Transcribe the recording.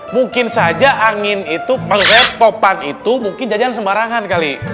mungkin saja angin itu maksud saya topan itu mungkin jajanan sembarangan kali